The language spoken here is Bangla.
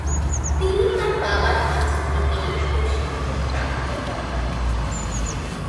তিনি তার বাবার কাছ থেকেই প্রশিক্ষণপ্রাপ্ত হন।